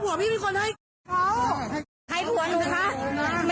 พี่ถ่ายทำไม